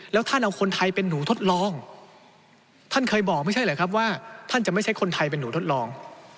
แล้วท่านเอาคนไทยเป็นหนูทดลองท่านเคยบอกไม่ใช่เหรอครับว่าท่านจะไม่ใช่คนไทยเป็นหนูทดลอง